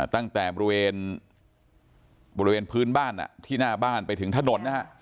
ตั้งแต่บริเวณบริเวณพื้นบ้านที่หน้าบ้านไปถึงถนนนะฮะ